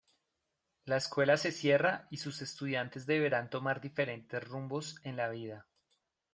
La escuela se cierra, y sus estudiantes deberán tomar diferentes rumbos en la vida.